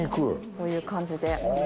こういう感じで。